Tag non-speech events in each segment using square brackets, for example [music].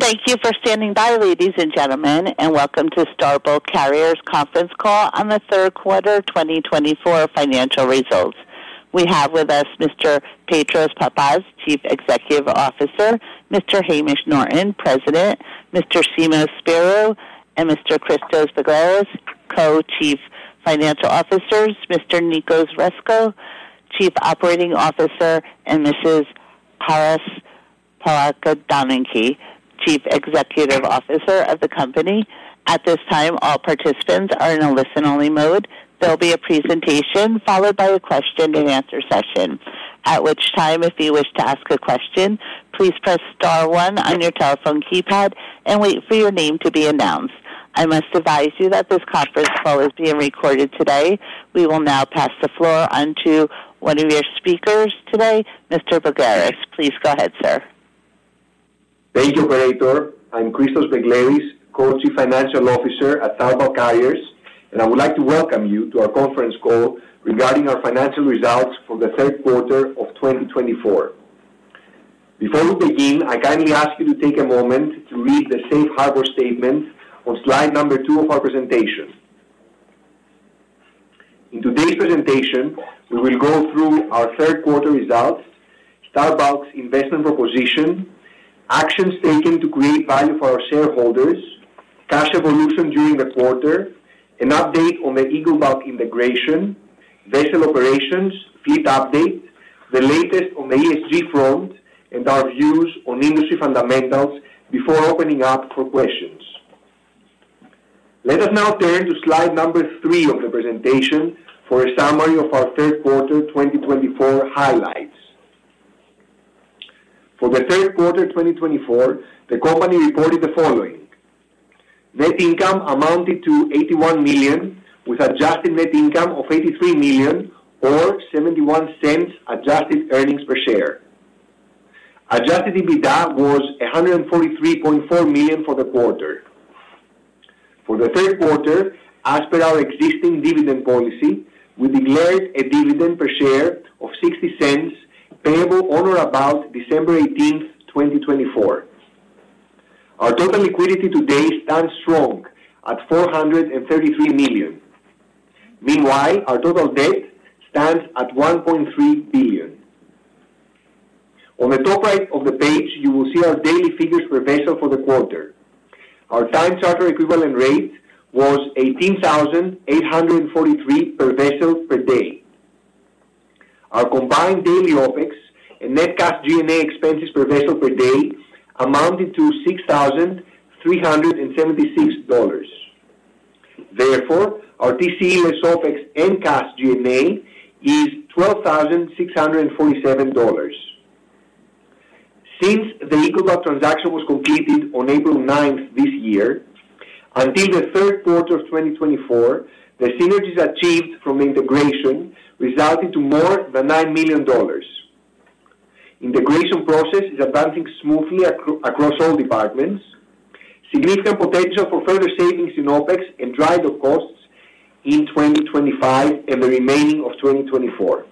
Thank you for standing by, ladies and gentlemen, and welcome to Star Bulk Carriers' Conference all on the Third Quarter 2024 Financial Results. We have with us Mr. Petros Pappas, Chief Executive Officer, Mr. Hamish Norton, President, Mr. Simos Spyrou, and Mr. Christos Begleris, Co-Chief Financial Officers, Mr. Nicos Rescos, Chief Operating Officer, and Mrs. Charis Plakantonaki, Chief Strategy Officer of the company. At this time, all participants are in a listen-only mode. There'll be a presentation followed by a question-and-answer session. At which time, if you wish to ask a question, please press star one on your telephone keypad and wait for your name to be announced. I must advise you that this conference call is being recorded today. We will now pass the floor on to one of your speakers today, Mr. Begleris. Please go ahead, sir. Thank you, Operator. I'm Christos Begleris, Co-Chief Financial Officer at Star Bulk Carriers, and I would like to welcome you to our conference call regarding our financial results for the third quarter of 2024. Before we begin, I kindly ask you to take a moment to read the Safe Harbor Statement on slide number two of our presentation. In today's presentation, we will go through our third quarter results, Star Bulk's investment proposition, actions taken to create value for our shareholders, cash evolution during the quarter, an update on the Eagle Bulk integration, vessel operations, fleet update, the latest on the ESG front, and our views on industry fundamentals before opening up for questions. Let us now turn to slide number three of the presentation for a summary of our third quarter 2024 highlights. For the third quarter 2024, the company reported the following: net income amounted to $81 million, with adjusted net income of $83 million, or $0.71 adjusted earnings per share. Adjusted EBITDA was $143.4 million for the quarter. For the third quarter, as per our existing dividend policy, we declared a dividend per share of $0.60 payable on or about December 18th, 2024. Our total liquidity today stands strong at $433 million. Meanwhile, our total debt stands at $1.3 billion. On the top right of the page, you will see our daily figures per vessel for the quarter. Our time charter equivalent rate was $18,843 per vessel per day. Our combined daily OPEX and net cash G&A expenses per vessel per day amounted to $6,376. Therefore, our TCE less OPEX and cash G&A is $12,647. Since the Eagle Bulk transaction was completed on April 9th this year, until the third quarter of 2024, the synergies achieved from the integration resulted in more than $9 million. The integration process is advancing smoothly across all departments, with significant potential for further savings in OPEX and dry dock costs in 2025 and the remainder of 2024.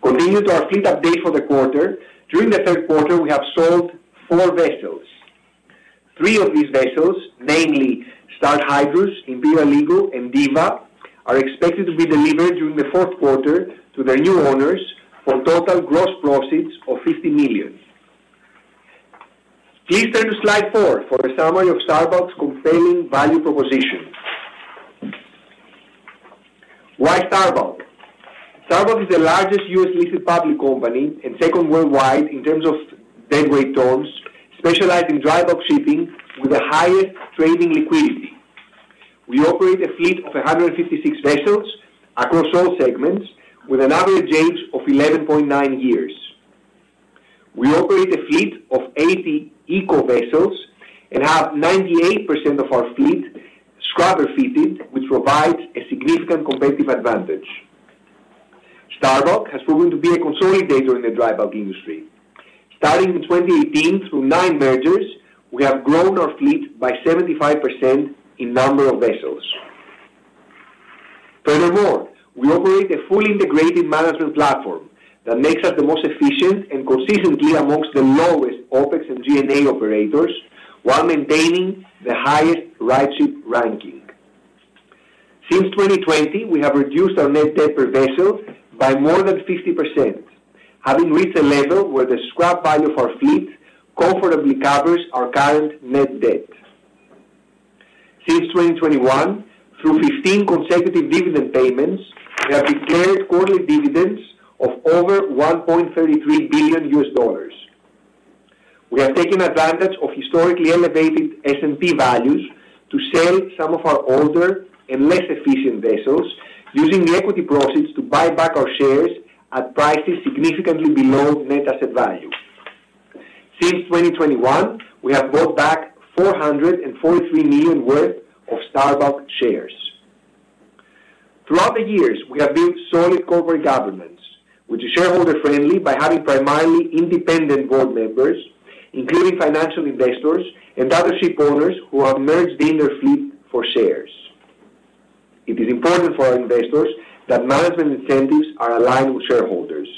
Continuing to our fleet update for the quarter, during the third quarter, we have sold four vessels. Three of these vessels, namely Star Hydrus, Imperial Eagle, and Diva, are expected to be delivered during the fourth quarter to their new owners for a total gross profit of $50 million. Please turn to slide four for a summary of Star Bulk's compelling value proposition. Why Star Bulk? Star Bulk is the largest U.S. listed public company and second worldwide in terms of deadweight tons, specialized in dry bulk shipping with the highest trading liquidity. We operate a fleet of 156 vessels across all segments, with an average age of 11.9 years. We operate a fleet of 80 eco vessels and have 98% of our fleet scrubber-fitted, which provides a significant competitive advantage. Star Bulk has proven to be a consolidator in the dry bulk industry. Starting in 2018, through nine mergers, we have grown our fleet by 75% in number of vessels. Furthermore, we operate a fully integrated management platform that makes us the most efficient and consistently amongst the lowest OPEX and G&A operators, while maintaining the highest RightShip ranking. Since 2020, we have reduced our net debt per vessel by more than 50%, having reached a level where the scrap value of our fleet comfortably covers our current net debt. Since 2021, through 15 consecutive dividend payments, we have declared quarterly dividends of over $1.33 billion. We have taken advantage of historically elevated S&P values to sell some of our older and less efficient vessels, using the equity profits to buy back our shares at prices significantly below net asset value. Since 2021, we have bought back $443 million worth of Star Bulk shares. Throughout the years, we have built solid corporate governance, which is shareholder-friendly by having primarily independent board members, including financial investors and other ship owners who have merged in their fleet for shares. It is important for our investors that management incentives are aligned with shareholders.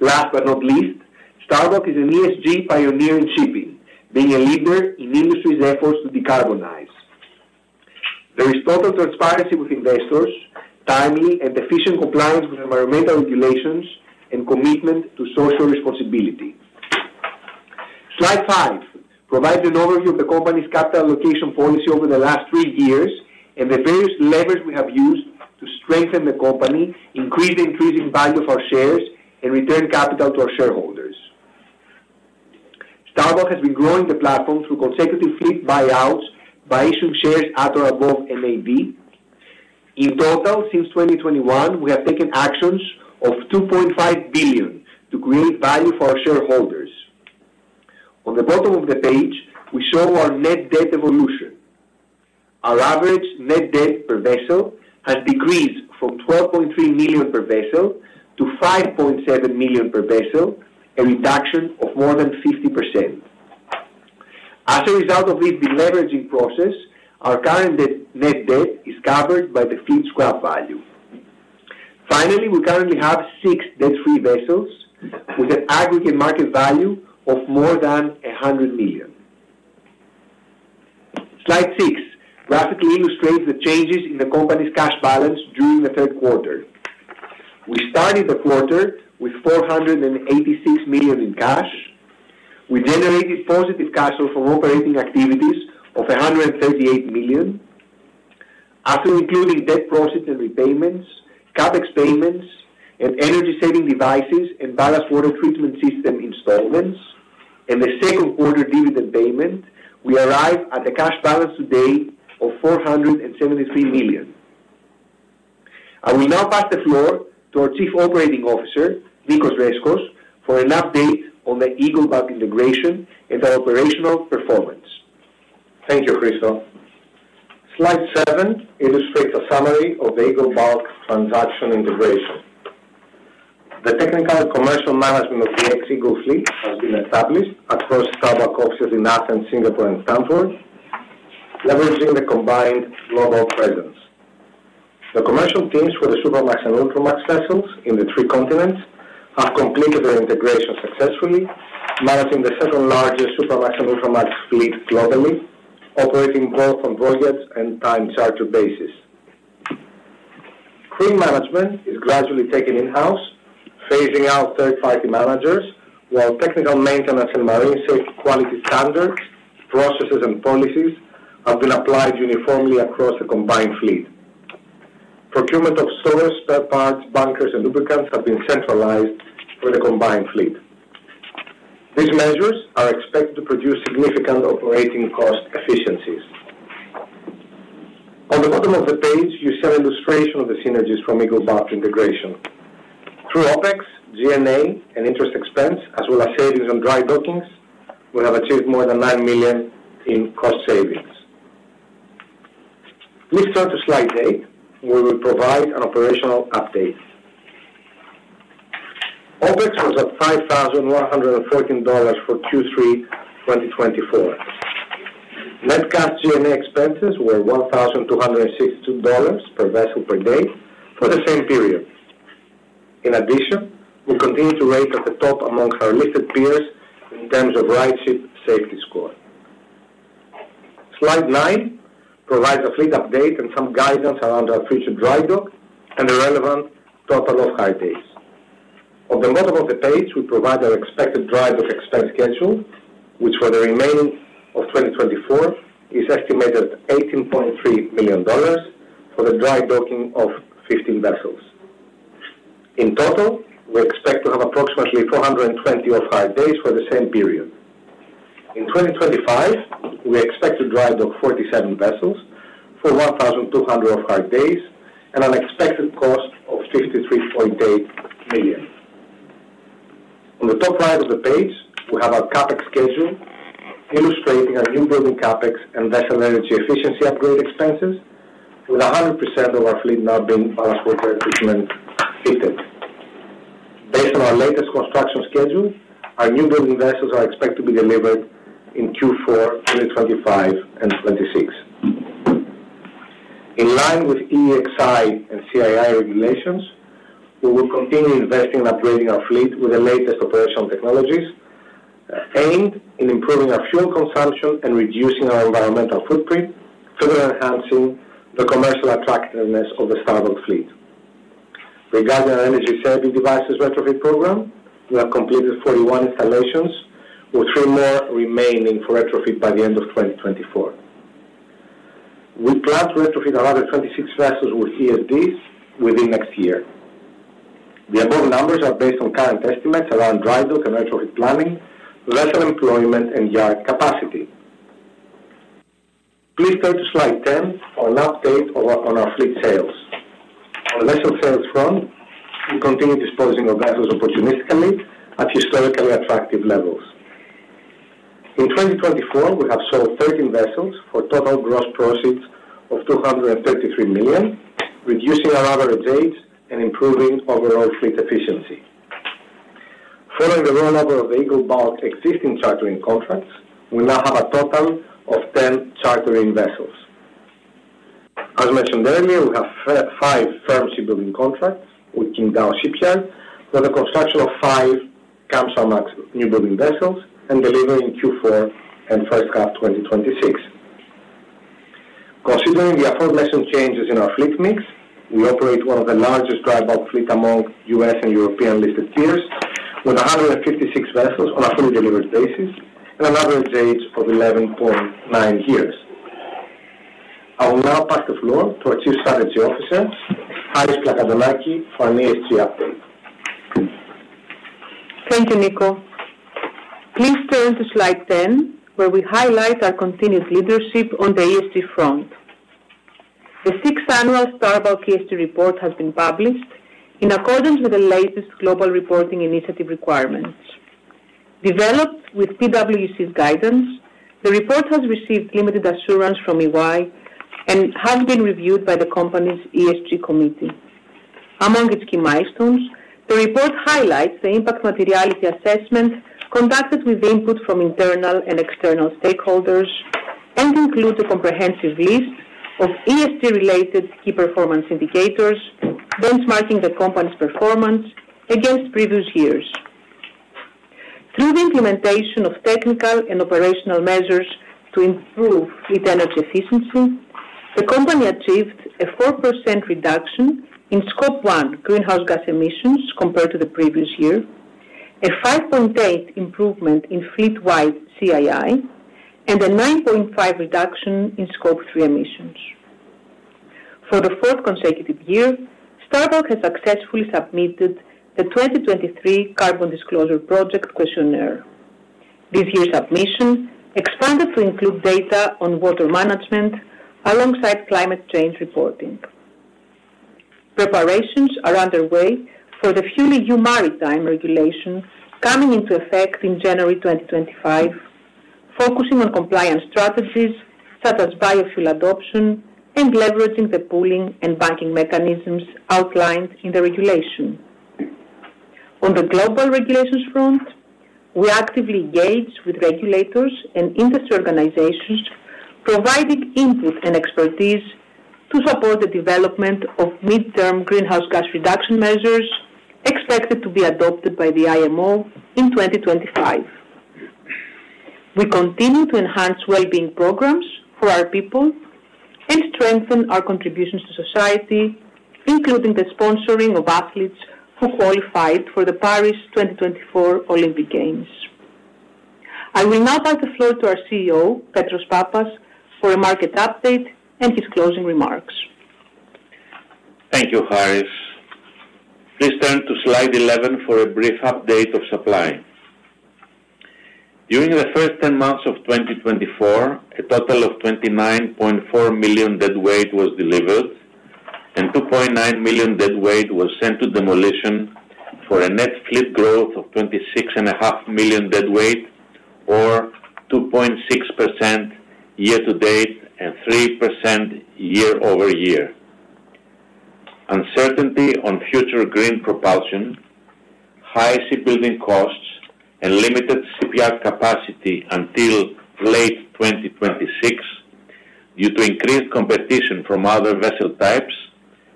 Last but not least, Star Bulk is an ESG pioneer in shipping, being a leader in the industry's efforts to decarbonize. There is total transparency with investors, timely and efficient compliance with environmental regulations, and commitment to social responsibility. Slide five provides an overview of the company's capital allocation policy over the last three years and the various levers we have used to strengthen the company, increase the value of our shares, and return capital to our shareholders. Star Bulk has been growing the platform through consecutive fleet buyouts by issuing shares at or above NAV. In total, since 2021, we have taken actions of $2.5 billion to create value for our shareholders. On the bottom of the page, we show our net debt evolution. Our average net debt per vessel has decreased from $12.3 million per vessel to $5.7 million per vessel, a reduction of more than 50%. As a result of this leveraging process, our current net debt is covered by the fleet scrap value. Finally, we currently have six debt-free vessels with an aggregate market value of more than $100 million. Slide six graphically illustrates the changes in the company's cash balance during the third quarter. We started the quarter with $486 million in cash. We generated positive cash flow from operating activities of $138 million. After including debt proceeds and repayments, CapEx payments, and energy-saving devices and ballast water treatment system installments, and the second quarter dividend payment, we arrive at a cash balance today of $473 million. I will now pass the floor to our Chief Operating Officer, Nicos Rescos, for an update on the Eagle Bulk integration and our operational performance. Thank you, Christos. Slide seven illustrates a summary of the Eagle Bulk transaction integration. The technical and commercial management of the ex-Eagle fleet has been established across Star Bulk offices in Athens, Singapore, and Stamford, leveraging the combined global presence. The commercial teams for the Supramax and Ultramax vessels in the three continents have completed their integration successfully, managing the second largest Supramax and Ultramax fleet globally, operating both on voyage and time charter basis. Crew management is gradually taken in-house, phasing out third-party managers, while technical maintenance and marine safety quality standards, processes, and policies have been applied uniformly across the combined fleet. Procurement of stores, spare parts, bunkers, and lubricants have been centralized for the combined fleet. These measures are expected to produce significant operating cost efficiencies. On the bottom of the page, you see an illustration of the synergies from Eagle Bulk integration. Through OPEX, G&A, and interest expense, as well as savings on dry dockings, we have achieved more than $9 million in cost savings. Please turn to slide eight, where we provide an operational update. OPEX was at $5,114 for Q3 2024. Net cash G&A expenses were $1,262 per vessel per day for the same period. In addition, we continue to rank at the top among our listed peers in terms of RightShip safety score. Slide nine provides a fleet update and some guidance around our future dry dock and the relevant total of off-hire days. On the bottom of the page, we provide our expected dry dock expense schedule, which for the remainder of 2024 is estimated at $18.3 million for the dry docking of 15 vessels. In total, we expect to have approximately 420 off-hire days for the same period. In 2025, we expect to dry dock 47 vessels for 1,200 off-hire days and an expected cost of $53.8 million. On the top right of the page, we have our CapEx schedule illustrating our newbuilding CapEx and vessel energy efficiency upgrade expenses, with 100% of our fleet now being ballast water equipment fitted. Based on our latest construction schedule, our newbuilding vessels are expected to be delivered in Q4 2025 and 2026. In line with EEXI and CII regulations, we will continue investing and upgrading our fleet with the latest operational technologies, aimed in improving our fuel consumption and reducing our environmental footprint, further enhancing the commercial attractiveness of the Star Bulk fleet. Regarding our energy-saving devices retrofit program, we have completed 41 installations, with three more remaining for retrofit by the end of 2024. We plan to retrofit another 26 vessels with ESDs within next year. The above numbers are based on current estimates around dry dock and retrofit planning, vessel employment, and yard capacity. Please turn to slide 10 for an update on our fleet sales. On the vessel sales front, we continue disposing of vessels opportunistically at historically attractive levels. In 2024, we have sold 13 vessels for a total gross profit of $233 million, reducing our average age and improving overall fleet efficiency. Following the rollover of Eagle Bulk existing chartering contracts, we now have a total of 10 chartering vessels. As mentioned earlier, we have five firm building contracts with Qingdao Shipyard, with the construction of five Kamsarmax newbuilding vessels and delivery in Q4 and first half 2026. Considering the aforementioned changes in our fleet mix, we operate one of the largest dry bulk fleets among U.S. and European listed peers, with 156 vessels on a fully delivered basis and an average age of 11.9 years. I will now pass the floor to our Chief Strategy Officer, Charis Plakantonaki, for an ESG update. Thank you, Nico. Please turn to slide 10, where we highlight our continued leadership on the ESG front. The Sixth Annual Star Bulk ESG Report has been published in accordance with the latest global reporting initiative requirements. Developed with PwC's guidance, the report has received limited assurance from EY and has been reviewed by the company's ESG committee. Among its key milestones, the report highlights the impact materiality assessment conducted with input from internal and external stakeholders and includes a comprehensive list of ESG-related key performance indicators benchmarking the company's performance against previous years. Through the implementation of technical and operational measures to improve fleet energy efficiency, the company achieved a 4% reduction in Scope 1 greenhouse gas emissions compared to the previous year, a 5.8% improvement in fleet-wide CII, and a 9.5% reduction in Scope 3 emissions. For the fourth consecutive year, Star Bulk has successfully submitted the 2023 Carbon Disclosure Project Questionnaire. This year's submission expanded to include data on water management alongside climate change reporting. Preparations are underway for the FuelEU Maritime Regulation coming into effect in January 2025, focusing on compliance strategies such as biofuel adoption and leveraging the pooling and banking mechanisms outlined in the regulation. On the global regulations front, we actively engage with regulators and industry organizations, providing input and expertise to support the development of midterm greenhouse gas reduction measures expected to be adopted by the IMO in 2025. We continue to enhance well-being programs for our people and strengthen our contributions to society, including the sponsoring of athletes who qualified for the Paris 2024 Olympic Games. I will now pass the floor to our CEO, Petros Pappas, for a market update and his closing remarks. Thank you, Charis. Please turn to slide 11 for a brief update of supply. During the first 10 months of 2024, a total of 29.4 million deadweight was delivered and 2.9 million deadweight was sent to demolition for a net fleet growth of 26.5 million deadweight, or 2.6% year-to-date and 3% year-over-year. Uncertainty on future green propulsion, high shipbuilding costs, and limited shipyard capacity until late 2026 due to increased competition from other vessel types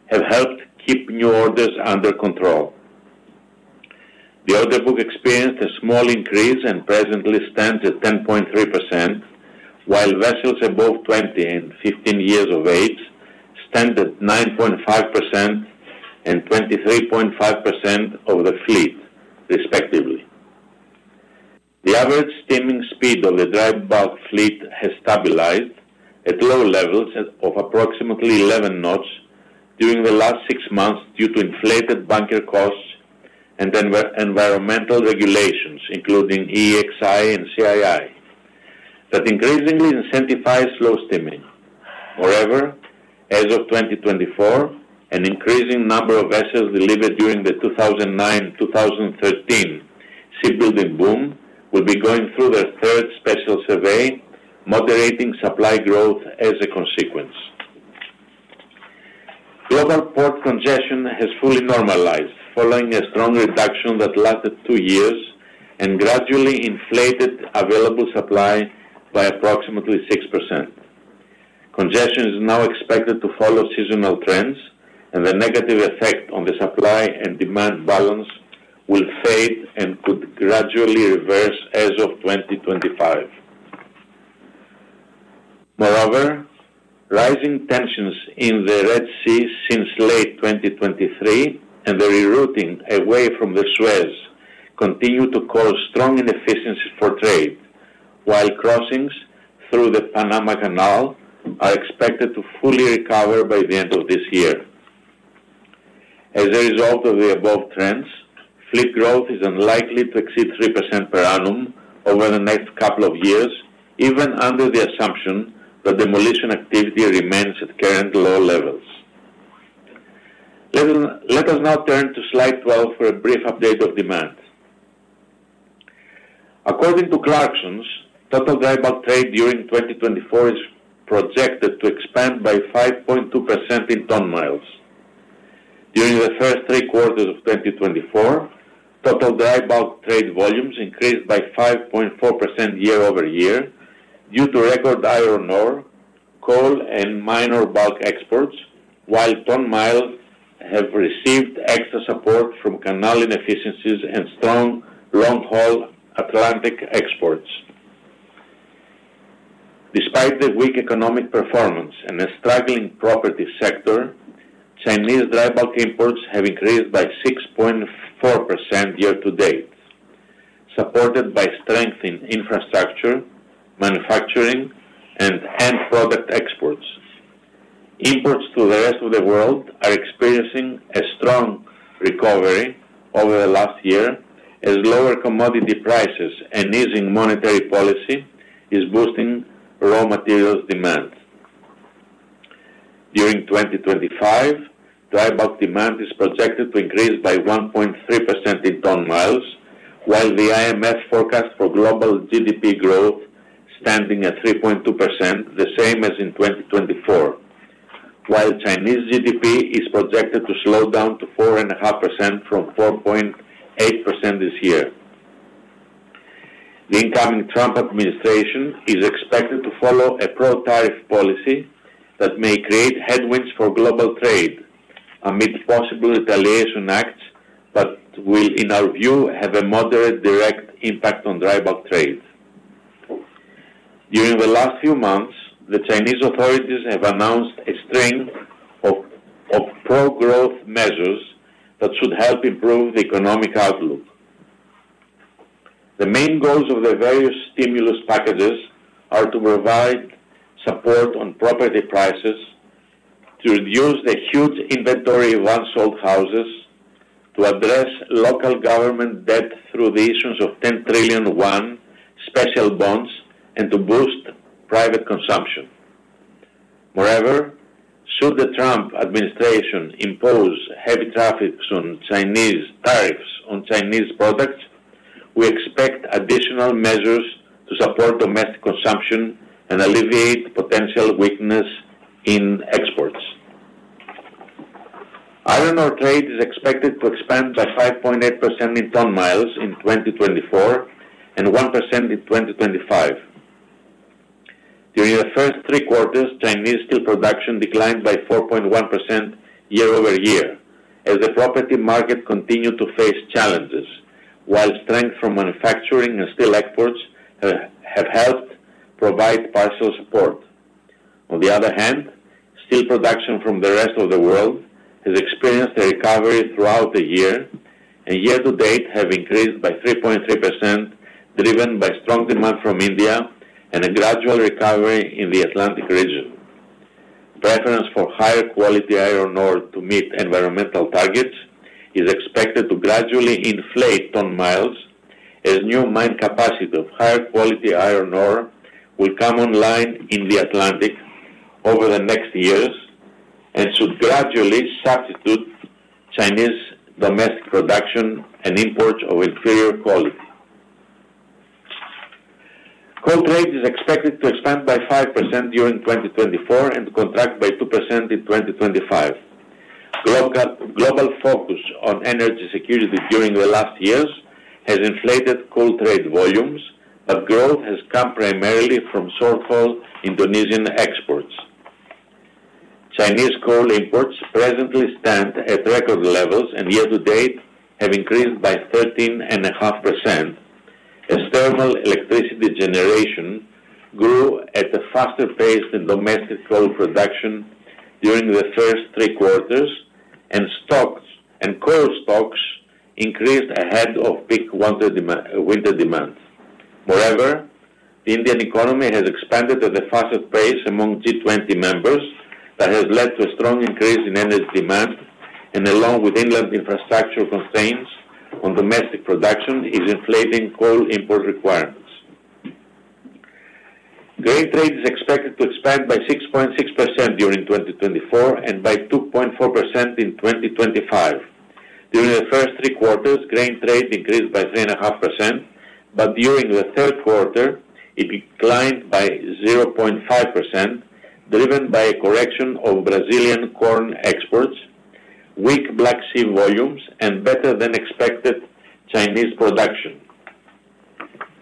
have helped keep new orders under control. The order book experienced a small increase and presently stands at 10.3%, while vessels above 20 and 15 years of age stand at 9.5% and 23.5% of the fleet, respectively. The average steaming speed of the dry bulk fleet has stabilized at low levels of approximately 11 knots during the last six months due to inflated bunker costs and environmental regulations, including EEXI and CII, that increasingly incentivize slow steaming. However, as of 2024, an increasing number of vessels delivered during the 2009-2013 shipbuilding boom will be going through their third special survey, moderating supply growth as a consequence. Global port congestion has fully normalized following a strong reduction that lasted two years and gradually inflated available supply by approximately 6%. Congestion is now expected to follow seasonal trends, and the negative effect on the supply and demand balance will fade and could gradually reverse as of 2025. Moreover, rising tensions in the Red Sea since late 2023 and the rerouting away from the Suez continue to cause strong inefficiencies for trade, while crossings through the Panama Canal are expected to fully recover by the end of this year. As a result of the above trends, fleet growth is unlikely to exceed 3% per annum over the next couple of years, even under the assumption that demolition activity remains at current low levels. Let us now turn to slide 12 for a brief update of demand. According to Clarksons, total dry bulk trade during 2024 is projected to expand by 5.2% in ton miles. During the first three quarters of 2024, total dry bulk trade volumes increased by 5.4% year-over-year due to record iron ore, coal, and minor bulk exports, while ton miles have received extra support from Canal inefficiencies and strong long-haul Atlantic exports. Despite the weak economic performance and a struggling property sector, Chinese dry bulk imports have increased by 6.4% year-to-date, supported by strength in infrastructure, manufacturing, and end product exports. Imports to the rest of the world are experiencing a strong recovery over the last year as lower commodity prices and easing monetary policy are boosting raw materials demand. During 2025, dry bulk demand is projected to increase by 1.3% in ton miles, while the IMF forecast for global GDP growth stands at 3.2%, the same as in 2024, while Chinese GDP is projected to slow down to 4.5% from 4.8% this year. The incoming Trump administration is expected to follow a pro-tariff policy that may create headwinds for global trade amid possible retaliation acts that will, in our view, have a moderate direct impact on dry bulk trade. During the last few months, the Chinese authorities have announced a string of pro-growth measures that should help improve the economic outlook. The main goals of the various stimulus packages are to provide support on property prices, to reduce the huge inventory of unsold houses, to address local government debt through the issuance of CNY 10 trillion special bonds, and to boost private consumption. Moreover, should the Trump administration impose heavy tariffs on Chinese products, we expect additional measures to support domestic consumption and alleviate potential weakness in exports. Iron ore trade is expected to expand by 5.8% in ton miles in 2024 and 1% in 2025. During the first three quarters, Chinese steel production declined by 4.1% year-over-year as the property market continued to face challenges, while strength from manufacturing and steel exports have helped provide partial support. On the other hand, steel production from the rest of the world has experienced a recovery throughout the year, and year-to-date has increased by 3.3%, driven by strong demand from India and a gradual recovery in the Atlantic region. Preference for higher quality iron ore to meet environmental targets is expected to gradually inflate ton miles as new mine capacity of higher quality iron ore will come online in the Atlantic over the next years and should gradually substitute Chinese domestic production and imports of inferior quality. Coal trade is expected to expand by 5% during 2024 and contract by 2% in 2025. Global focus on energy security during the last years has inflated coal trade volumes, but growth has come primarily from so-called Indonesian exports. Chinese coal imports presently stand at record levels and year-to-date have increased by 13.5%. External electricity generation grew at a faster pace than domestic coal production during the first three quarters, and coal stocks increased ahead of peak winter demand. Moreover, the Indian economy has expanded at a faster pace among G20 members that has led to a strong increase in energy demand, and along with inland infrastructure constraints on domestic production, it is inflating coal import requirements. Grain trade is expected to expand by 6.6% during 2024 and by 2.4% in 2025. During the first three quarters, grain trade increased by 3.5%, but during the third quarter, it declined by 0.5%, driven by a correction of Brazilian corn exports, weak Black Sea volumes, and better-than-expected Chinese production.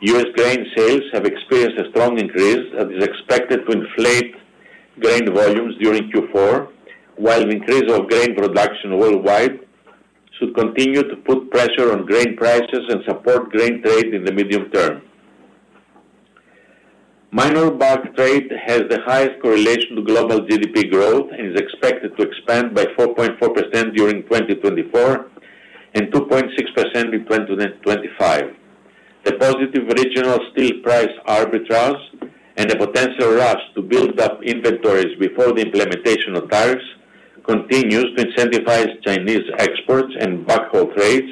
U.S. grain sales have experienced a strong increase that is expected to inflate grain volumes during Q4, while the increase of grain production worldwide should continue to put pressure on grain prices and support grain trade in the medium term. Minor bulk trade has the highest correlation to global GDP growth and is expected to expand by 4.4% during 2024 and 2.6% in 2025. The positive regional steel price arbitrage and the potential rush to build up inventories before the implementation of tariffs continue to incentivize Chinese exports and backhaul trades,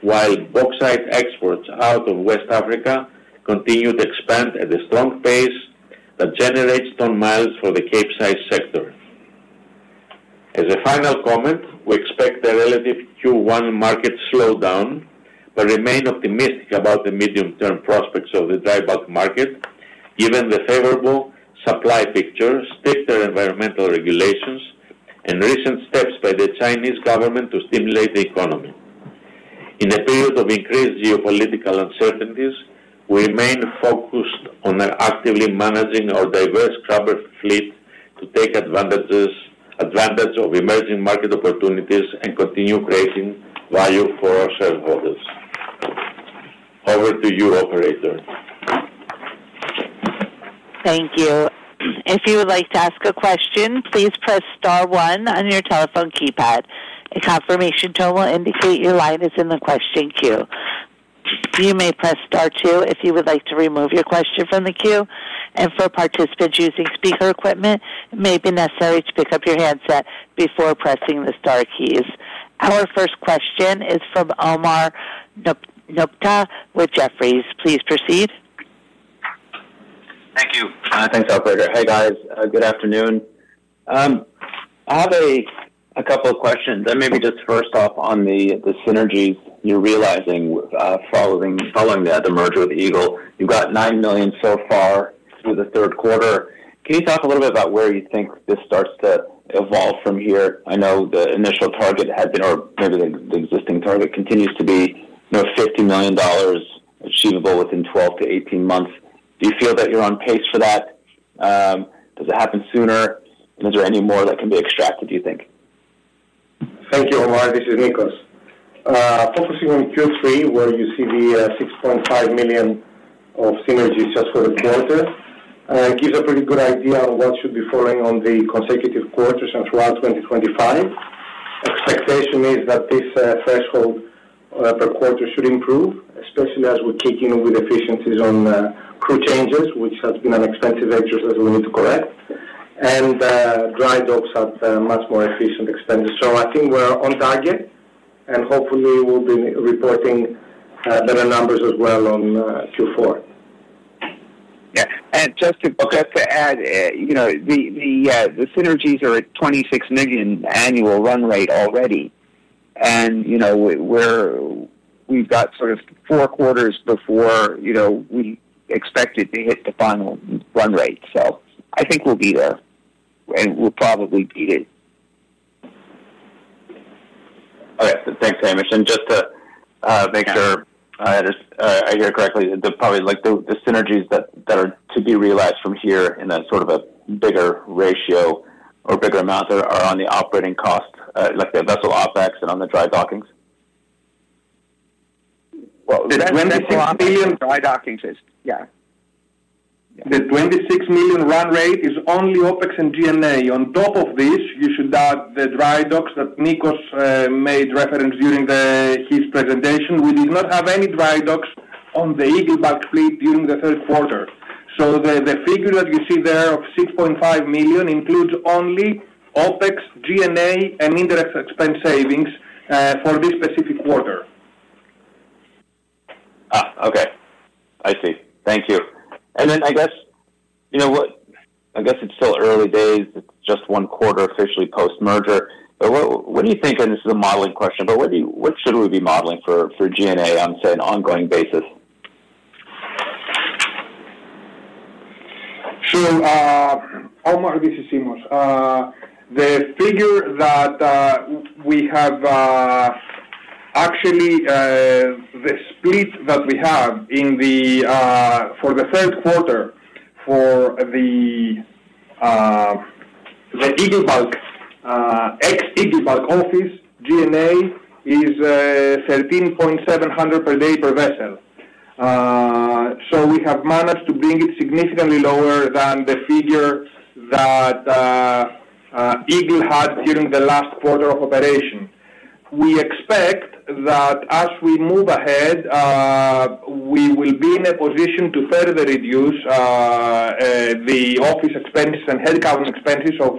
while bauxite exports out of West Africa continue to expand at a strong pace that generates ton miles for the Capesize sector. As a final comment, we expect a relative Q1 market slowdown but remain optimistic about the medium-term prospects of the dry bulk market, given the favorable supply picture, stricter environmental regulations, and recent steps by the Chinese government to stimulate the economy. In a period of increased geopolitical uncertainties, we remain focused on actively managing our diverse scrubber fleet to take advantage of emerging market opportunities and continue creating value for our shareholders. Over to you, Operator. Thank you. If you would like to ask a question, please press Star one on your telephone keypad. A confirmation tone will indicate your line is in the question queue. You may press Star two if you would like to remove your question from the queue. And for participants using speaker equipment, it may be necessary to pick up your handset before pressing the Star keys. Our first question is from Omar Nokta with Jefferies. Please proceed. Thank you. Thanks, Operator. Hey, guys. Good afternoon. I have a couple of questions. And maybe just first off on the synergies you're realizing following the merger with Eagle. You've got $9 million so far through the third quarter. Can you talk a little bit about where you think this starts to evolve from here? I know the initial target had been, or maybe the existing target continues to be, $50 million achievable within 12-18 months. Do you feel that you're on pace for that? Does it happen sooner? And is there any more that can be extracted, do you think? Thank you, Omar. This is Nicos. Focusing on Q3, where you see the $6.5 million of synergies just for the quarter, it gives a pretty good idea of what should be following on the consecutive quarters and throughout 2025. Expectation is that this threshold per quarter should improve, especially as we kick in with efficiencies on crew changes, which has been an expensive exercise we need to correct, and dry docks at much more efficient expenses. So I think we're on target, and hopefully, we'll be reporting better numbers as well on Q4. Yeah. And just to add, the synergies are at $26 million annual run rate already. And we've got sort of four quarters before we expect it to hit the final run rate. So I think we'll be there, and we'll probably beat it. All right. Thanks, Hamish. And just to make sure I hear correctly, probably the synergies that are to be realized from here in a sort of a bigger ratio or bigger amount are on the operating cost, like the vessel OPEX and on the dry dockings? The $26 million [crosstalk] dry dockings is, yeah. The $26 million run rate is only OPEX and G&A. On top of this, you should add the dry docks that Nicos made reference during his presentation. We did not have any dry docks on the Eagle Bulk fleet during the third quarter. So the figure that you see there of $6.5 million includes only OPEX, G&A, and indirect expense savings for this specific quarter. Okay. I see. Thank you. And then I guess, I guess it's still early days. It's just one quarter officially post-merger. But what do you think, and this is a modeling question, but what should we be modeling for G&A on, say, an ongoing basis? Sure. Omar, this is Simos. The figure that we have actually, the split that we have for the third quarter for the Eagle Bulk ex-Eagle Bulk office, G&A is $13,700 per day per vessel. So we have managed to bring it significantly lower than the figure that Eagle had during the last quarter of operation. We expect that as we move ahead, we will be in a position to further reduce the office expenses and headcount expenses of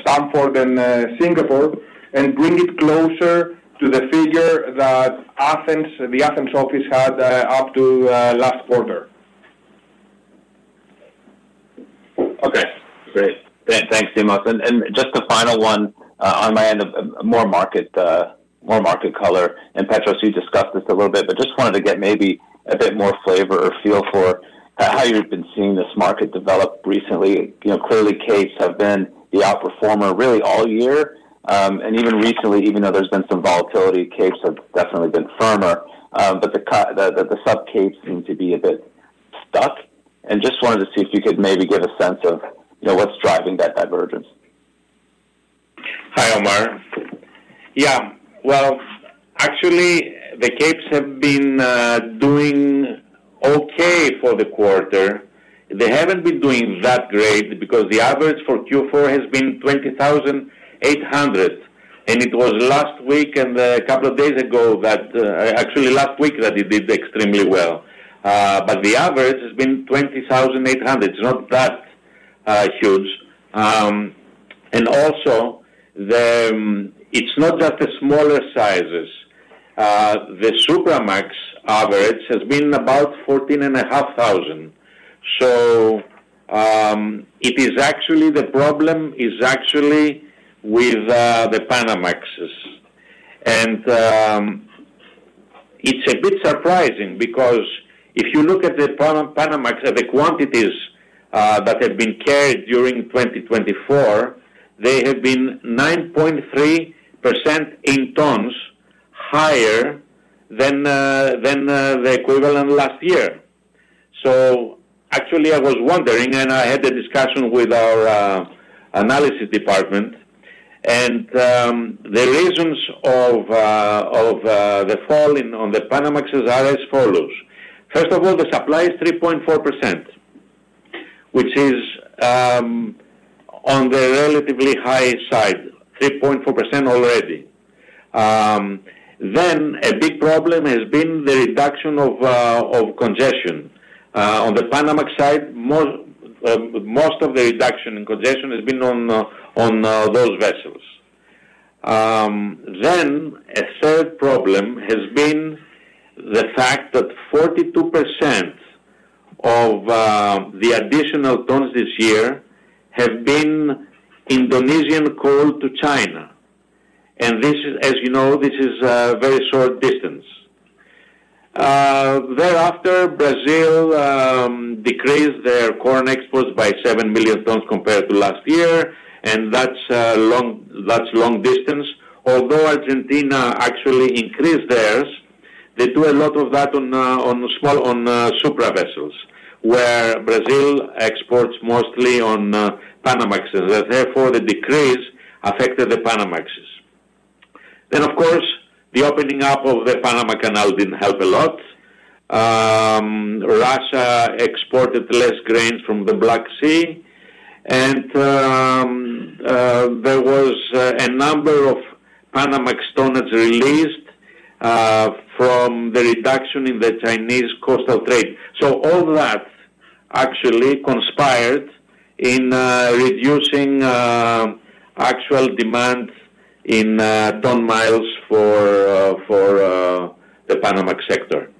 Stamford and Singapore and bring it closer to the figure that the Athens office had up to last quarter. Okay. Great. Thanks, Simos. And just a final one on my end of more market color and Petros, you discussed this a little bit, but just wanted to get maybe a bit more flavor or feel for how you've been seeing this market develop recently. Clearly, capes have been the outperformer really all year. And even recently, even though there's been some volatility, capes have definitely been firmer. But the sub-capes seem to be a bit stuck. And just wanted to see if you could maybe give a sense of what's driving that divergence. Hi, Omar. Yeah. Well, actually, the capes have been doing okay for the quarter. They haven't been doing that great because the average for Q4 has been $20,800. And it was last week and a couple of days ago, actually last week, that it did extremely well. But the average has been $20,800. It's not that huge. Also, it's not just the smaller sizes. The Supramax average has been about 14,500. It is actually the problem is actually with the Panamaxes. It's a bit surprising because if you look at the Panamaxes, the quantities that have been carried during 2024, they have been 9.3% in tons higher than the equivalent last year. Actually, I was wondering, and I had a discussion with our analysis department. The reasons of the fall on the Panamaxes are as follows. First of all, the supply is 3.4%, which is on the relatively high side, 3.4% already. Then a big problem has been the reduction of congestion. On the Panamax side, most of the reduction in congestion has been on those vessels. Then a third problem has been the fact that 42% of the additional tons this year have been Indonesian coal to China. And as you know, this is a very short distance. Thereafter, Brazil decreased their corn exports by 7 million tons compared to last year, and that's long distance. Although Argentina actually increased theirs, they do a lot of that on Supramax vessels, where Brazil exports mostly on Panamaxes. Therefore, the decrease affected the Panamaxes. Then, of course, the opening up of the Panama Canal didn't help a lot. Russia exported less grain from the Black Sea, and there was a number of Panamax tonnes released from the reduction in the Chinese coastal trade. So all that actually conspired in reducing actual demand in ton miles for the Panamax sector.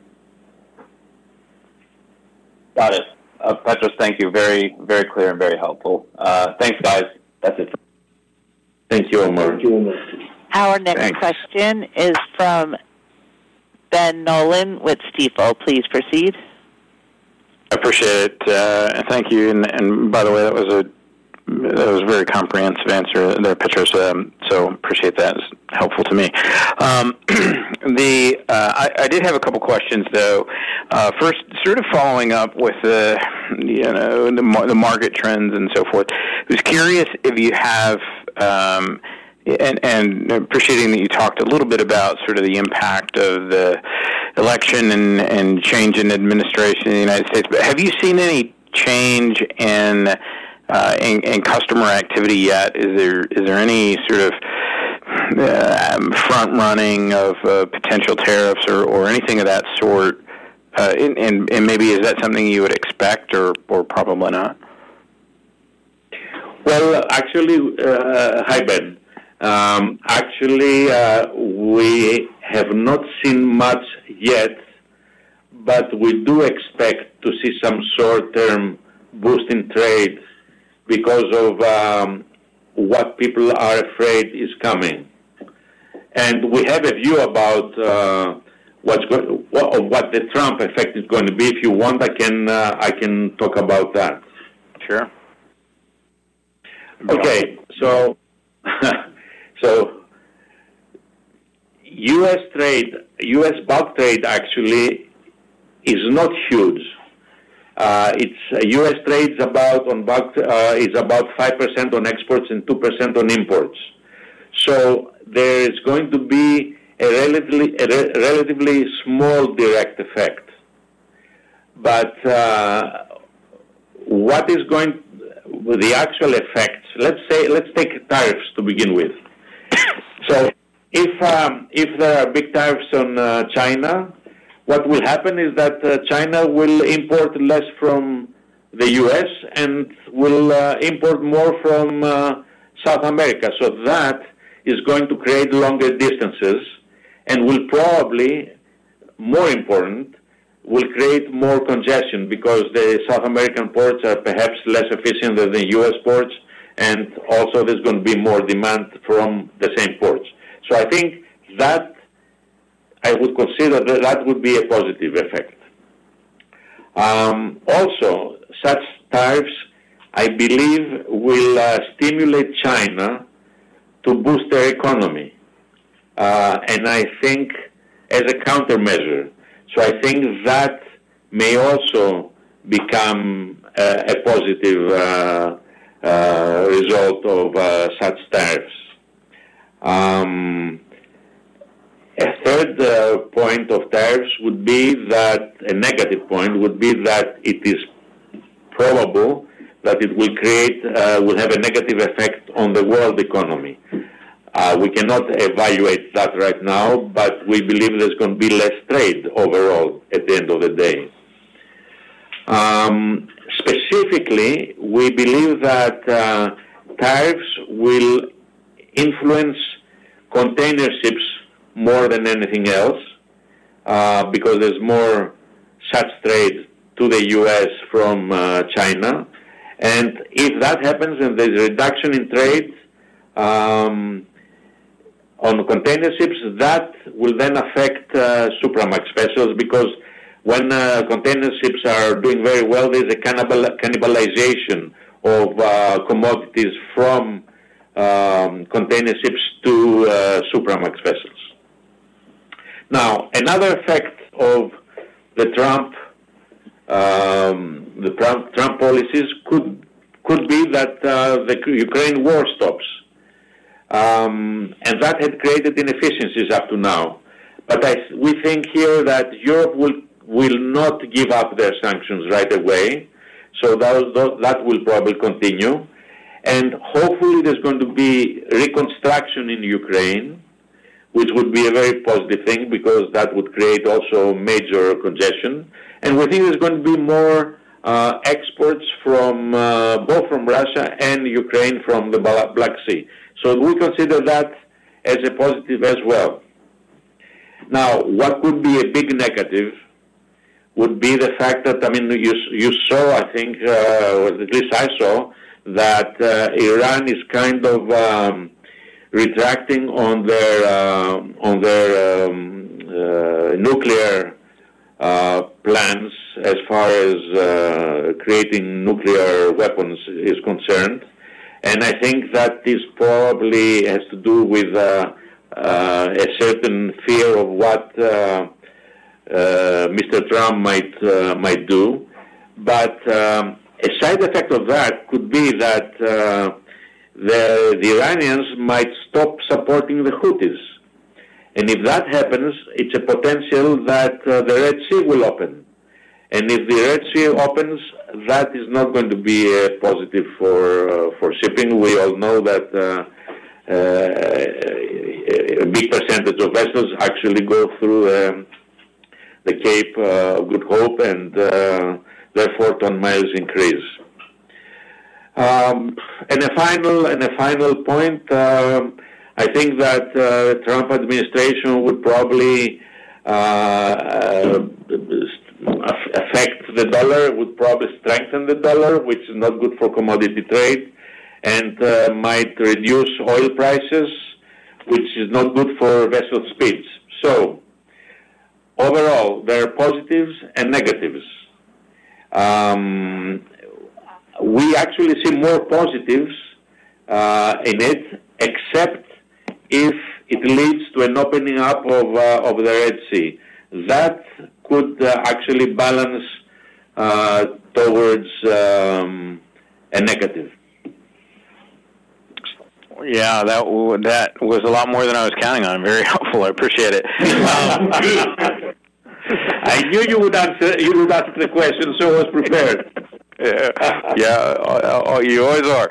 Got it. Petros, thank you. Very, very clear and very helpful. Thanks, guys. That's it. Thank you, Omar. Thank you, Omar. Our next question is from Ben Nolan with Stifel. Please proceed. I appreciate it. And thank you. And by the way, that was a very comprehensive answer, Petros. So appreciate that. It's helpful to me. I did have a couple of questions, though. First, sort of following up with the market trends and so forth, I was curious if you have, and appreciating that you talked a little bit about sort of the impact of the election and change in administration in the United States, but have you seen any change in customer activity yet? Is there any sort of front-running of potential tariffs or anything of that sort? And maybe, is that something you would expect or probably not? Well, actually, hi Ben. Actually, we have not seen much yet, but we do expect to see some short-term boost in trade because of what people are afraid is coming. And we have a view about what the Trump effect is going to be. If you want, I can talk about that. Sure. Okay. So U.S. bulk trade actually is not huge. U.S. trade is about 5% on exports and 2% on imports. So there is going to be a relatively small direct effect. But what is going, the actual effects, let's take tariffs to begin with. So if there are big tariffs on China, what will happen is that China will import less from the U.S. and will import more from South America. So that is going to create longer distances and will probably, more important, will create more congestion because the South American ports are perhaps less efficient than the U.S. ports. And also, there's going to be more demand from the same ports. So I think that I would consider that that would be a positive effect. Also, such tariffs, I believe, will stimulate China to boost their economy. I think, as a countermeasure, so I think that may also become a positive result of such tariffs. A third point of tariffs would be that a negative point would be that it is probable that it will have a negative effect on the world economy. We cannot evaluate that right now, but we believe there's going to be less trade overall at the end of the day. Specifically, we believe that tariffs will influence container ships more than anything else because there's more such trade to the U.S. from China. If that happens and there's a reduction in trade on container ships, that will then affect Supramax vessels because when container ships are doing very well, there's a cannibalization of commodities from container ships to Supramax vessels. Now, another effect of the Trump policies could be that the Ukraine war stops. That had created inefficiencies up to now. We think here that Europe will not give up their sanctions right away. That will probably continue. Hopefully, there's going to be reconstruction in Ukraine, which would be a very positive thing because that would create also major congestion. We think there's going to be more exports both from Russia and Ukraine from the Black Sea. We consider that as a positive as well. Now, what could be a big negative would be the fact that, I mean, you saw, I think, at least I saw, that Iran is kind of retracting on their nuclear plans as far as creating nuclear weapons is concerned. I think that this probably has to do with a certain fear of what Mr. Trump might do. But a side effect of that could be that the Iranians might stop supporting the Houthis, and if that happens, it's a potential that the Red Sea will open, and if the Red Sea opens, that is not going to be positive for shipping. We all know that a big percentage of vessels actually go through the Cape of Good Hope, and therefore, ton miles increase, and a final point, I think that the Trump administration would probably affect the dollar, would probably strengthen the dollar, which is not good for commodity trade, and might reduce oil prices, which is not good for vessel speeds, so overall, there are positives and negatives. We actually see more positives in it, except if it leads to an opening up of the Red Sea. That could actually balance towards a negative. Yeah, that was a lot more than I was counting on. Very helpful. I appreciate it. I knew you would answer the question, so I was prepared. Yeah. You always are.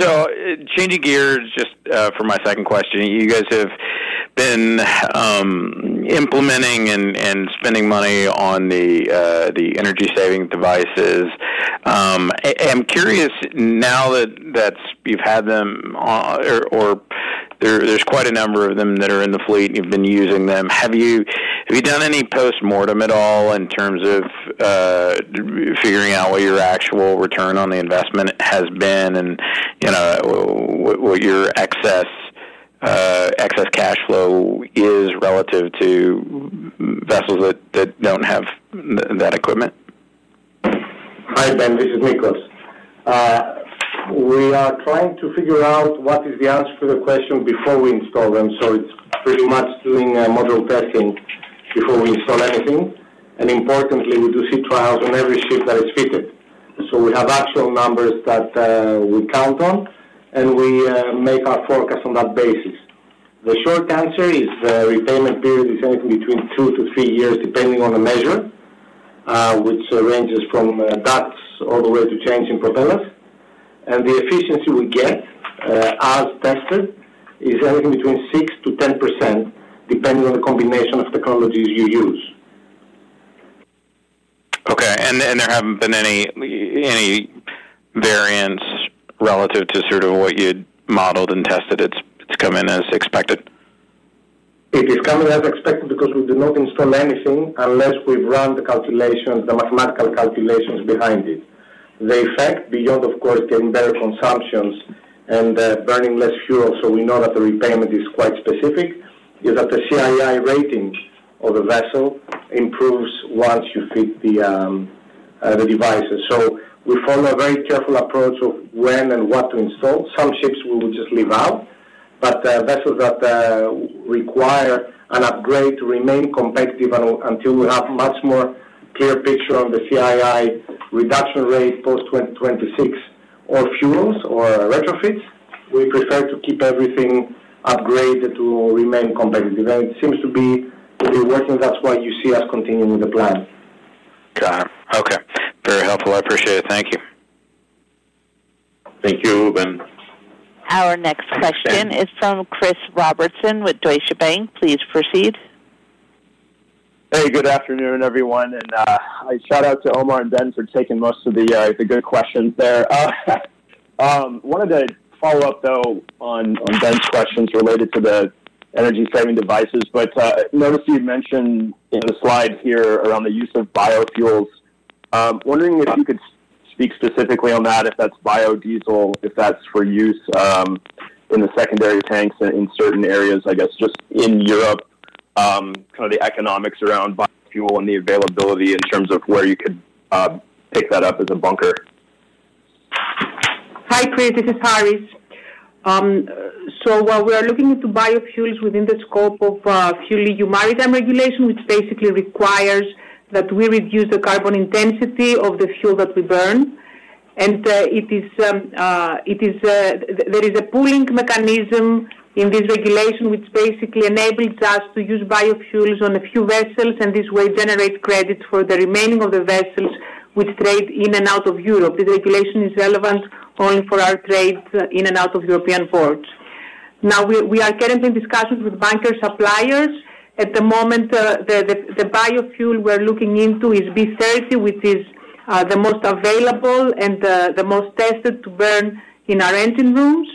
So changing gears just for my second question. You guys have been implementing and spending money on the energy-saving devices. I'm curious now that you've had them or there's quite a number of them that are in the fleet and you've been using them. Have you done any post-mortem at all in terms of figuring out what your actual return on the investment has been and what your excess cash flow is relative to vessels that don't have that equipment? Hi, Ben. This is Nicos. We are trying to figure out what is the answer to the question before we install them. So it's pretty much doing module testing before we install anything. And importantly, we do sea trials on every ship that is fitted. So we have actual numbers that we count on, and we make our forecast on that basis. The short answer is the repayment period is anything between two to three years, depending on the measure, which ranges from ducts all the way to changing propellers. And the efficiency we get as tested is anything between 6%-10%, depending on the combination of technologies you use. Okay. And there haven't been any variance relative to sort of what you'd modeled and tested. It's come in as expected? It is coming as expected because we do not install anything unless we've run the calculations, the mathematical calculations behind it. The effect, beyond, of course, getting better consumptions and burning less fuel, so we know that the repayment is quite specific, is that the CII rating of the vessel improves once you fit the devices. We follow a very careful approach of when and what to install. Some ships we will just leave out. But vessels that require an upgrade to remain competitive until we have a much more clear picture on the CII reduction rate post-2026 or fuels or retrofits, we prefer to keep everything upgraded to remain competitive. And it seems to be working. That's why you see us continuing the plan. Got it. Okay. Very helpful. I appreciate it. Thank you. Thank you, Ben. Our next question is from Chris Robertson with Deutsche Bank. Please proceed. Hey, good afternoon, everyone. And shout out to Omar and Ben for taking most of the good questions there. Wanted to follow up, though, on Ben's questions related to the energy-saving devices. But noticed you mentioned the slide here around the use of biofuels. Wondering if you could speak specifically on that, if that's biodiesel, if that's for use in the secondary tanks in certain areas, I guess, just in Europe, kind of the economics around biofuel and the availability in terms of where you could pick that up as a bunker? Hi, Chris. This is Charis. So while we are looking into biofuels within the scope of FuelEU Maritime regulation, which basically requires that we reduce the carbon intensity of the fuel that we burn, and there is a pooling mechanism in this regulation, which basically enables us to use biofuels on a few vessels, and this way generate credits for the remaining of the vessels with trade in and out of Europe. This regulation is relevant only for our trade in and out of European ports. Now, we are currently in discussions with bunker suppliers. At the moment, the biofuel we're looking into is B30, which is the most available and the most tested to burn in our engine rooms.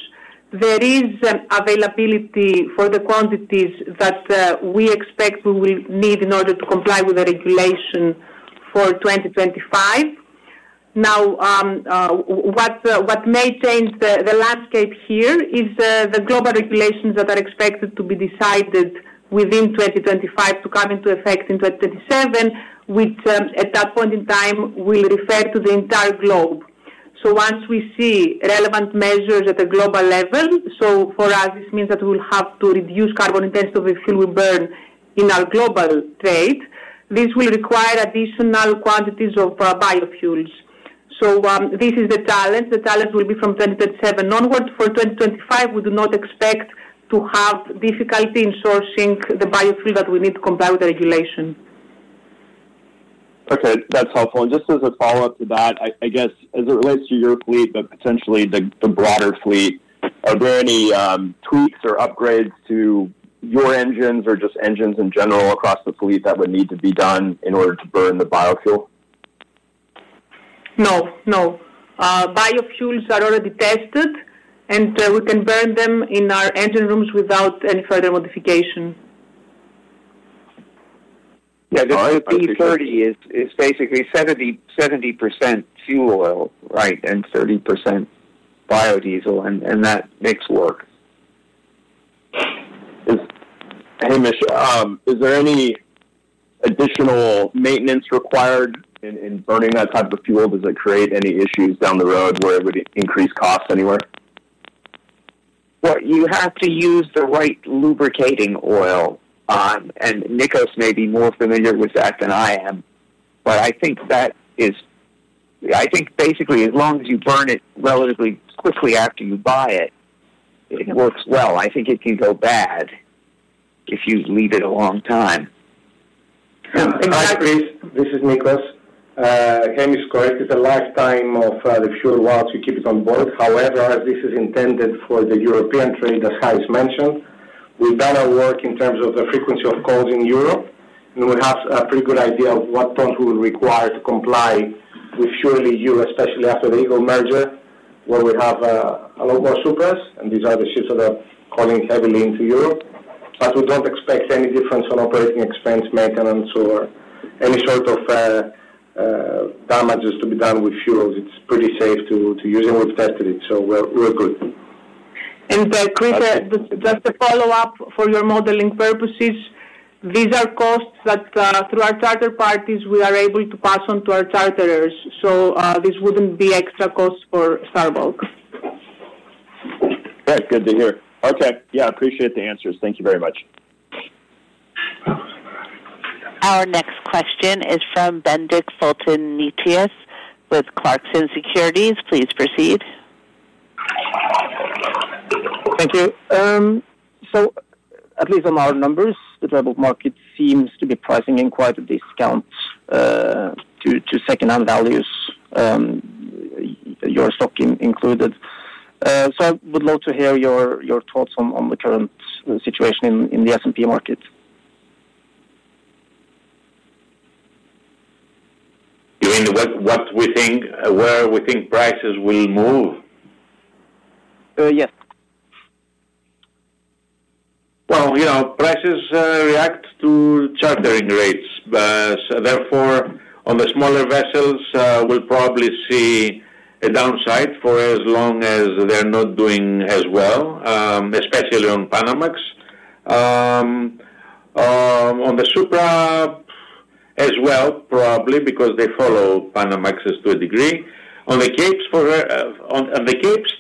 There is availability for the quantities that we expect we will need in order to comply with the regulation for 2025. Now, what may change the landscape here is the global regulations that are expected to be decided within 2025 to come into effect in 2027, which at that point in time will refer to the entire globe. So once we see relevant measures at a global level, so for us, this means that we'll have to reduce carbon intensity of the fuel we burn in our global trade. This will require additional quantities of biofuels. So this is the challenge. The challenge will be from 2027 onward. For 2025, we do not expect to have difficulty in sourcing the biofuel that we need to comply with the regulation. Okay. That's helpful. And just as a follow-up to that, I guess, as it relates to your fleet, but potentially the broader fleet, are there any tweaks or upgrades to your engines or just engines in general across the fleet that would need to be done in order to burn the biofuel? No. No. Biofuels are already tested, and we can burn them in our engine rooms without any further modification. Yeah. [crosstalk] Because B30 is basically 70% fuel oil, right, and 30% biodiesel, and that makes work. Hey, Hamish, is there any additional maintenance required? In burning that type of fuel, does it create any issues down the road where it would increase costs anywhere? Well, you have to use the right lubricating oil. Nicholas may be more familiar with that than I am. But I think basically, as long as you burn it relatively quickly after you buy it, it works well. I think it can go bad if you leave it a long time. Hi, Chris. This is Nicholas. Hamish is correct. It's a lifetime of the fuel while you keep it on board. However, as this is intended for the European trade, as Hamish mentioned, we've done our work in terms of the frequency of calls in Europe, and we have a pretty good idea of what tons we will require to comply with FuelEU. Surely Europe, especially after the Eagle merger, where we have a lot more Supramax, and these are the ships that are calling heavily into Europe. But we don't expect any difference on operating expense, maintenance, or any sort of damages to be done with fuels. It's pretty safe to use, and we've tested it, so we're good. And Chris, just to follow up for your modeling purposes, these are costs that through our charter parties, we are able to pass on to our charterers. So this wouldn't be extra cost for Star Bulk. That's good to hear. Okay. Yeah. Appreciate the answers. Thank you very much. Our next question is from Bendik Folden Nyttingnes with Clarksons Securities. Please proceed. Thank you. So at least on our numbers, the global market seems to be pricing in quite a discount to secondhand values, your stock included. So I would love to hear your thoughts on the current situation in the S&P market. You mean what we think, where we think prices will move? Yes. Prices react to chartering rates. Therefore, on the smaller vessels, we'll probably see a downside for as long as they're not doing as well, especially on Panamax. On the Supra as well, probably, because they follow Panamax to a degree. On the Capes,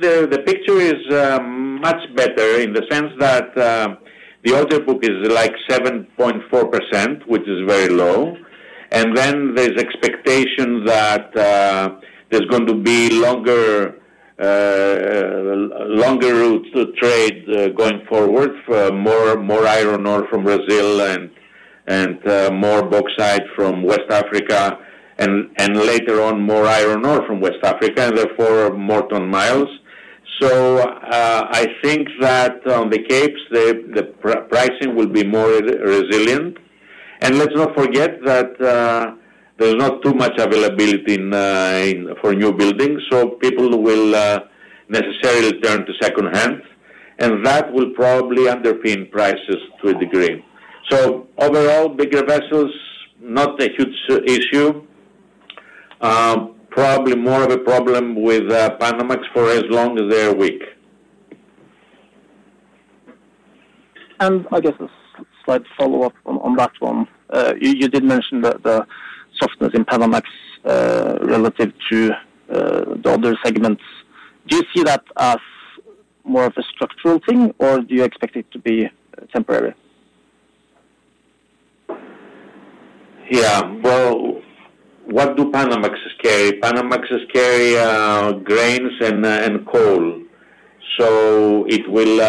the picture is much better in the sense that the order book is like 7.4%, which is very low, and then there's expectation that there's going to be longer routes to trade going forward, more iron ore from Brazil and more bauxite from West Africa, and later on, more iron ore from West Africa, and therefore more ton miles, so I think that on the Capes, the pricing will be more resilient, and let's not forget that there's not too much availability for new buildings, so people will necessarily turn to secondhand, and that will probably underpin prices to a degree. So overall, bigger vessels, not a huge issue. Probably more of a problem with Panamax for as long as they're weak. I guess a slight follow-up on that one. You did mention that the softness in Panamax relative to the other segments. Do you see that as more of a structural thing, or do you expect it to be temporary? Yeah. Well, what do Panamax carry? Panamax carry grains and coal. So it will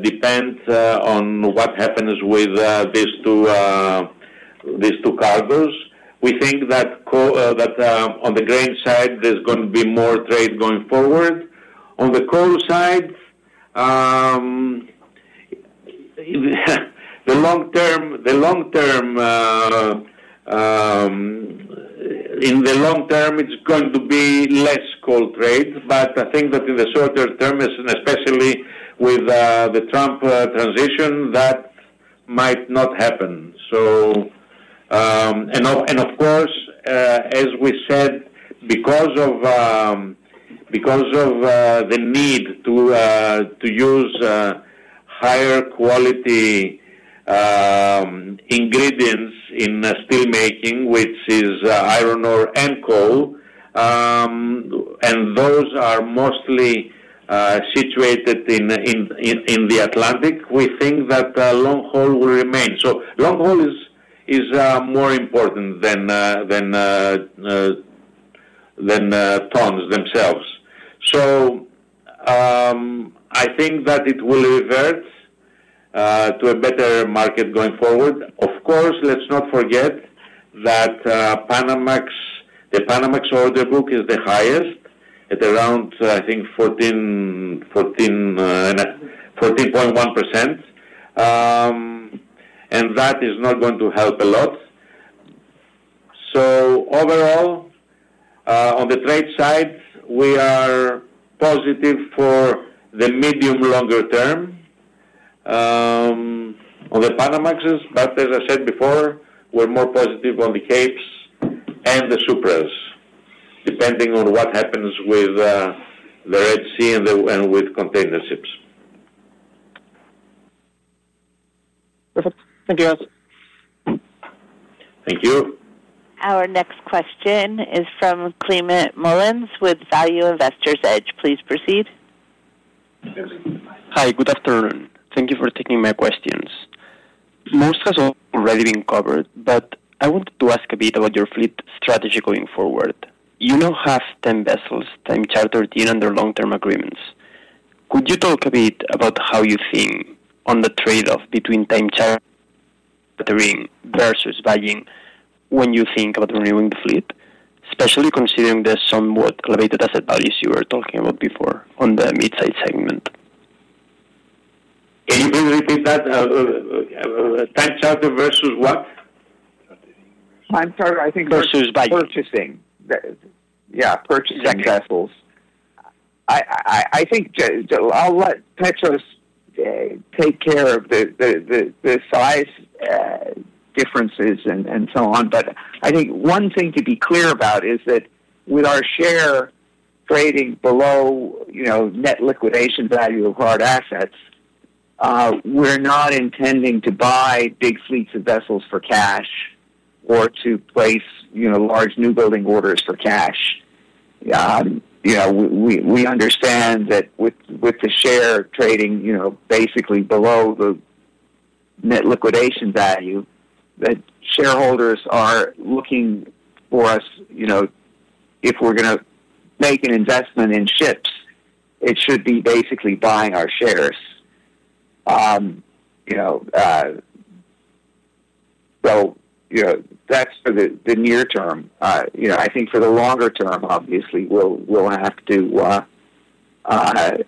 depend on what happens with these two cargoes. We think that on the grain side, there's going to be more trade going forward. On the coal side, the long term, in the long term, it's going to be less coal trade. But I think that in the shorter term, especially with the Trump transition, that might not happen. Of course, as we said, because of the need to use higher quality ingredients in steelmaking, which is iron ore and coal, and those are mostly situated in the Atlantic, we think that long haul will remain. Long haul is more important than tons themselves. I think that it will revert to a better market going forward. Of course, let's not forget that the Panamax order book is the highest at around, I think, 14.1%. And that is not going to help a lot. Overall, on the trade side, we are positive for the medium-longer term on the Panamaxes. As I said before, we're more positive on the Capes and the Supras, depending on what happens with the Red Sea and with container ships. Perfect. Thank you, guys. Thank you. Our next question is from Climent Molins with Value Investor's Edge. Please proceed. Hi. Good afternoon. Thank you for taking my questions. Most has already been covered, but I wanted to ask a bit about your fleet strategy going forward. You now have 10 vessels, 10 charter deals, and their long-term agreements. Could you talk a bit about how you think on the trade-off between time chartering versus buying when you think about renewing the fleet, especially considering the somewhat elevated asset values you were talking about before on the mid-size segment? Can you please repeat that? Time charter versus what? I'm sorry. I think versus buying. Purchasing. Yeah. Purchasing vessels. I think I'll let Petros take care of the size differences and so on. But I think one thing to be clear about is that with our share trading below net liquidation value of our assets, we're not intending to buy big fleets of vessels for cash or to place large newbuilding orders for cash. We understand that with the share trading basically below the net liquidation value, that shareholders are looking for us. If we're going to make an investment in ships, it should be basically buying our shares. So that's for the near term. I think for the longer term, obviously, we'll have to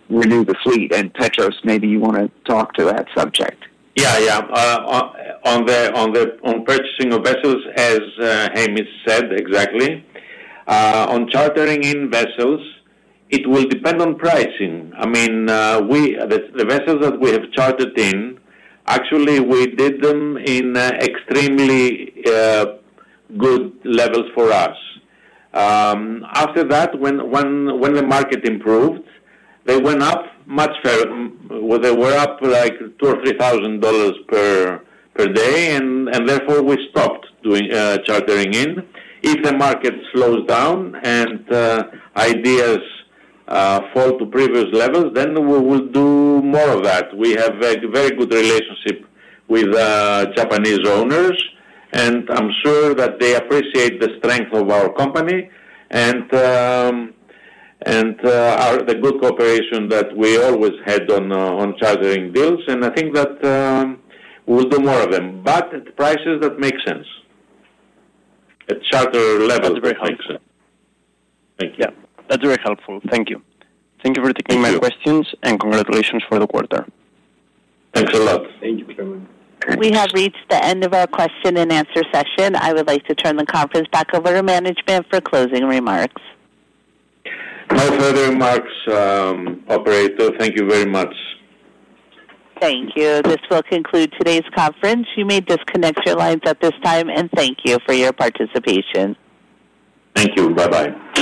renew the fleet. And Petros, maybe you want to talk to that subject. Yeah. Yeah. On purchasing of vessels, as Hamish said exactly. On chartering in vessels, it will depend on pricing. I mean, the vessels that we have chartered in, actually, we did them in extremely good levels for us. After that, when the market improved, they went up much further. They were up like $2,000 or $3,000 per day. And therefore, we stopped chartering in. If the market slows down and ideas fall to previous levels, then we will do more of that. We have a very good relationship with Japanese owners, and I'm sure that they appreciate the strength of our company and the good cooperation that we always had on chartering deals. And I think that we'll do more of them, but at prices that make sense at charter levels, it makes sense. Thank you. Yeah. That's very helpful. Thank you. Thank you for taking my questions, and congratulations for the quarter. Thanks a lot. Thank you, Climent. We have reached the end of our question and answer session. I would like to turn the conference back over to management for closing remarks. No further remarks, Operator. Thank you very much. Thank you. This will conclude today's conference. You may disconnect your lines at this time, and thank you for your participation. Thank you. Bye-bye.